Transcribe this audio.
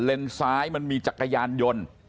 ซ้ายมันมีจักรยานยนต์